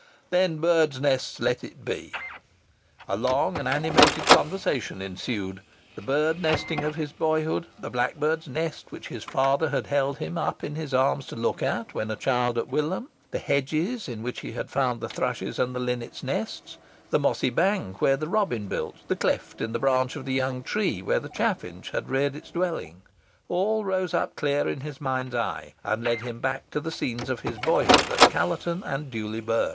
"Then birds' nests be it." A long and animated conversation ensued: the bird nesting of his boyhood, the blackbird's nest which his father had held him up in his arms to look at when a child at Wylam, the hedges in which he had found the thrush's and the linnet's nests, the mossy bank where the robin built, the cleft in the branch of the young tree where the chaffinch had reared its dwelling—all rose up clear in his mind's eye, and led him back to the scenes of his boyhood at Callerton and Dewley Burn.